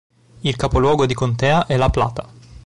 Il capoluogo di contea è La Plata.